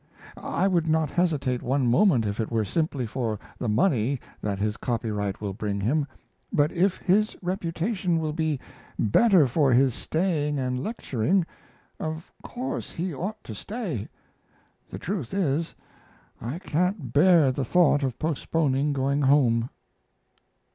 I would not hesitate one moment if it were simply for the money that his copyright will bring him, but if his reputation will be better for his staying and lecturing, of course he ought to stay.... The truth is, I can't bear the thought of postponing going home.